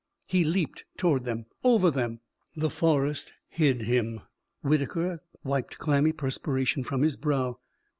He leaped. Toward them over them. The forest hid him. Whitaker wiped clammy perspiration from his brow.